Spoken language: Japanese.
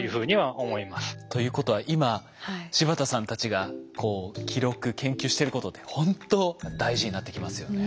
ということは今柴田さんたちが記録研究してることってほんと大事になってきますよね。